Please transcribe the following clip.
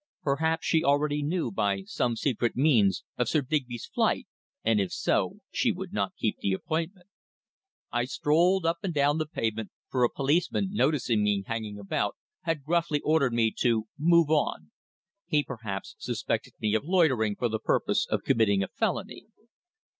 Perhaps she already knew, by some secret means, of Sir Digby's flight, and if so, she would not keep the appointment. I strolled up and down the pavement, for a policeman, noticing me hanging about, had gruffly ordered me to "Move on!" He, perhaps, suspected me of "loitering for the purpose of committing a felony."